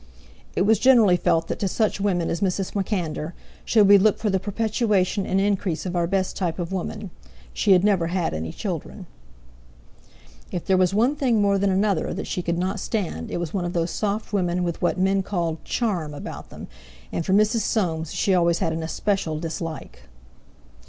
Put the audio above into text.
It was generally felt that to such women as Mrs. MacAnder should we look for the perpetuation and increase of our best type of woman. She had never had any children. If there was one thing more than another that she could not stand it was one of those soft women with what men called "charm" about them, and for Mrs. Soames she always had an especial dislike.